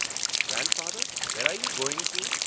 'Grandfather, where are you going to?'